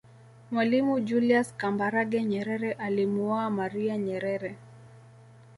Mwalimu julius Kambarage Nyerere alimuoa maria Nyerere